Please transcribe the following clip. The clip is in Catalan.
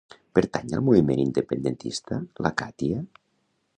Pertany al moviment independentista la Katia?